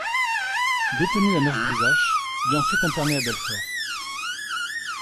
Détenu à Neuf-Brisach, il est ensuite interné à Belfort.